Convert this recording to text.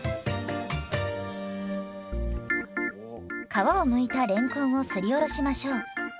皮をむいたれんこんをすりおろしましょう。